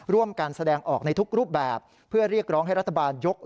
ร่วมการแสดงออกในทุกรูปแบบ